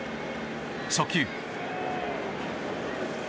初球。